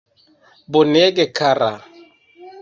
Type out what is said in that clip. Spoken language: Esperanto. Bonege kara.